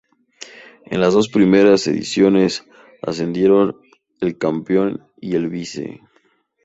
En las dos primeras ediciones ascendieron el campeón y el vice.